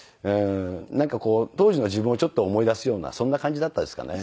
なんか当時の自分をちょっと思い出すようなそんな感じだったですかね。